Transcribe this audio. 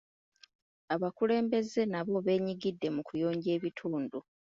Abakulembeze nabo beenyigidde mu kuyonja ekitundu.